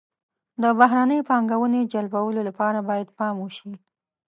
د بهرنۍ پانګونې جلبولو لپاره باید پام وشي.